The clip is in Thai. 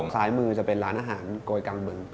ซ้ายมือจะเป็นร้านอาหารโกยกำบึง